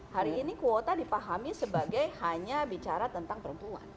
hari ini kuota dipahami sebagai hanya bicara tentang perempuan